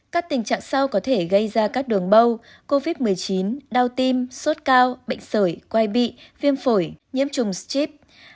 các tình trạng sau có thể gây ra các đường bâu covid một mươi chín đau tim sốt cao bệnh sởi quay bị viêm phổi nhiễm trùng schep